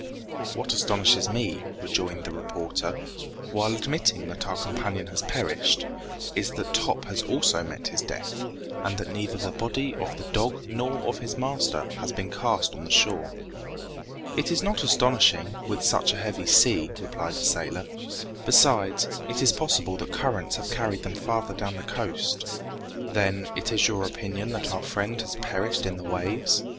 "What astonishes me," rejoined the reporter, "while admitting that our companion has perished, is that Top has also met his death, and that neither the body of the dog nor of his master has been cast on the shore!" "It is not astonishing, with such a heavy sea," replied the sailor. "Besides, it is possible that currents have carried them farther down the coast." "Then, it is your opinion that our friend has perished in the waves?"